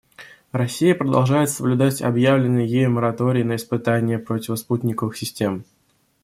Россия продолжает соблюдать объявленный ею мораторий на испытания противоспутниковых систем.